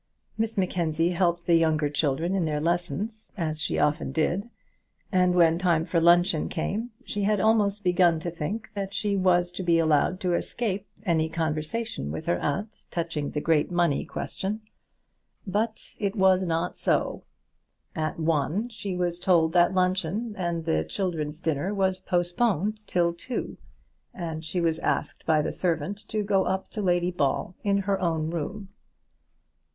Miss Mackenzie helped the younger children in their lessons, as she often did; and when time for luncheon came, she had almost begun to think that she was to be allowed to escape any conversation with her aunt touching the great money question. But it was not so. At one she was told that luncheon and the children's dinner was postponed till two, and she was asked by the servant to go up to Lady Ball in her own room.